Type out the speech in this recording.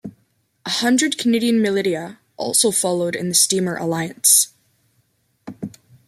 A hundred Canadian militia also followed in the steamer "Alliance".